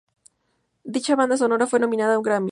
Dicha banda sonora fue nominada a un Grammy.